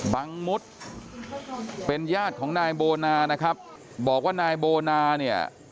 มุดเป็นญาติของนายโบนานะครับบอกว่านายโบนาเนี่ย